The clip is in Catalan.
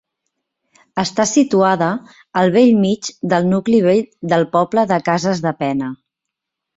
Està situada al bell mig del nucli vell del poble de Cases de Pena.